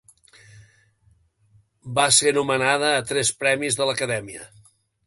Va ser nomenada a tres Premis de l'Acadèmia.